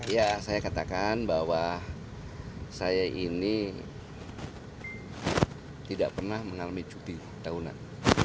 ya saya katakan bahwa saya ini tidak pernah mengalami cuti tahunan